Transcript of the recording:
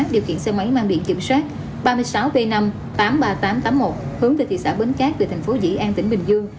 điều khiển xe máy mang biển kiểm soát ba mươi sáu b năm tám mươi ba nghìn tám trăm tám mươi một hướng từ thị xã bến cát về thành phố dĩ an tỉnh bình dương